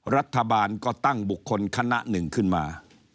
รัฐบาลก็ตั้งบุคคลคณะหนึ่งขึ้นมา